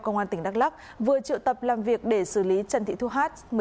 công an tp đắk lắk vừa triệu tập làm việc để xử lý trần thị thu hát